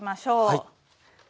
はい。